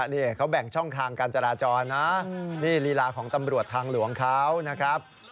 นี่เขาแบ่งช่องทางการจราจรนะนี่ลีลาของตำรวจทางหลวงเขานะครับ